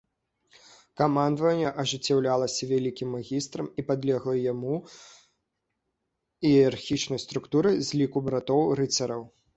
Камандаванне ажыццяўлялася вялікім магістрам і падлеглай яму іерархічнай структурай з ліку братоў-рыцараў.